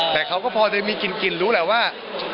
แต่เขาก็พอจะมีกินรู้แหละว่า